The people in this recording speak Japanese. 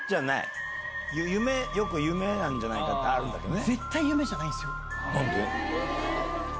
よく夢なんじゃないかってあるんだけどね。